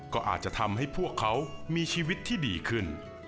ก็อาจจะทำให้พวกเขามีชีวิตที่ดีขึ้น